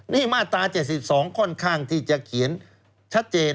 นี่มาตรา๗๒ค่อนข้างที่จะเขียนชัดเจน